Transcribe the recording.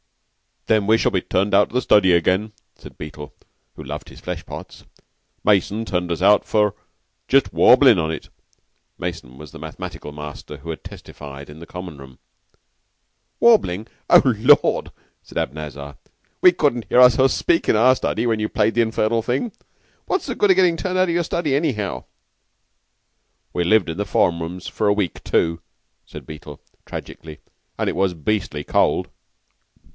"Then we shall be turned out of the study again," said Beetle, who loved his flesh pots. "Mason turned us out for just warbling on it." Mason was the mathematical master who had testified in Common room. "Warbling? O Lord!" said Abanazar. "We couldn't hear ourselves speak in our study when you played the infernal thing. What's the good of getting turned out of your study, anyhow?" "We lived in the form rooms for a week, too," said Beetle, tragically. "And it was beastly cold."